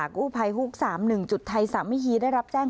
กู้ภัยฮุกส์๓๑ไทยสามมิฮีได้รับแจ้ง